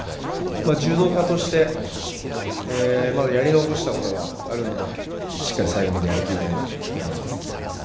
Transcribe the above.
柔道家として、まだやり残したことがあるので、しっかり最後までやりきりたいなと思います。